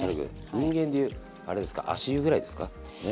人間でいうあれですか足湯ぐらいですか？ね？